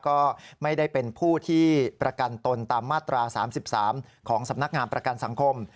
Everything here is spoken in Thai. ก็ไม่ได้เป็นผู้ที่ประกันตนตามมาตรา๓๓ของสำนักงานประกันสังคม